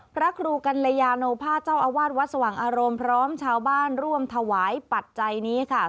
พระครูกัลยาโนภาเจ้าอาวาสวัดสว่างอารมณ์พร้อมชาวบ้านร่วมถวายปัจจัยนี้ค่ะ